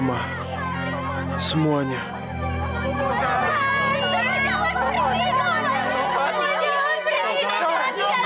taufan oats abis disenjali